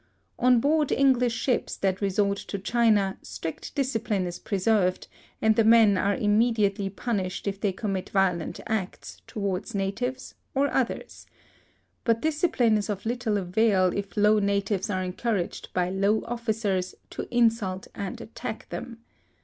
On board English ships that resort to China, strict discipline is preserved, and the men are immediately punished, if they commit violent acts, towards natives or others: but discipline is of little avail, if low natives are encouraged by low officers, to insult and attack them.